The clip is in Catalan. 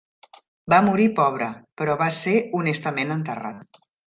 Va morir pobre, però va ser honestament enterrat.